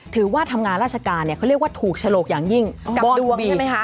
ถือว่าทำงานราชการเนี่ยเขาเรียกว่าถูกฉลกอย่างยิ่งกับดวงใช่ไหมคะ